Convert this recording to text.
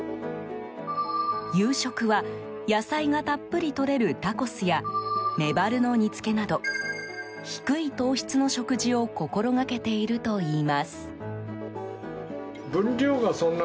夕食は野菜がたっぷりとれるタコスやメバルの煮つけなど低い糖質の食事を心がけているといいます。